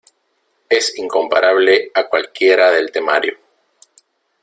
es incomparable a cualquiera del temario.